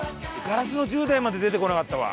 『ガラスの十代』まで出てこなかったわ。